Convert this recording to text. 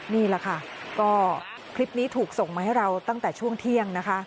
นี่แหละค่ะก็คลิปนี้ถูกส่งมาให้เราตั้งแต่ช่วงเที่ยงนะคะ